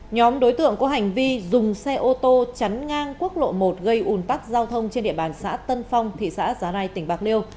nhóm đối tượng có hành vi dùng xe ô tô chắn ngang quốc lộ một gây ủn tắc giao thông trên địa bàn xã tân phong thị xã giá rai tỉnh bạc liêu